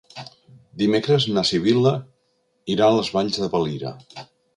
Dimecres na Sibil·la irà a les Valls de Valira.